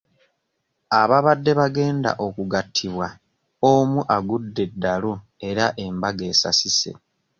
Ababadde bagenda okugattibwa omu agudde eddalu era embaga esasise.